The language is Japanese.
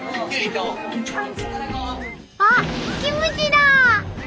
あっキムチだ！